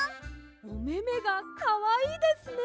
おめめがかわいいですね。